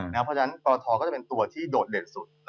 เพราะฉะนั้นปทก็จะเป็นตัวที่โดดเด่นสุด